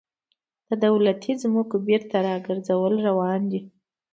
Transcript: د دولتي ځمکو بیرته راګرځول روان دي